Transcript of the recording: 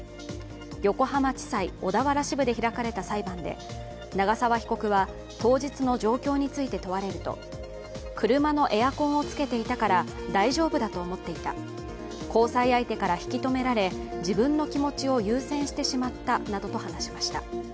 横浜地裁小田原支部で開かれた裁判で長沢被告は当日の状況について問われると、車のエアコンをつけていたから大丈夫だと思っていた交際相手から引き止められ自分の気持ちを優先させてしまったなどと話しました。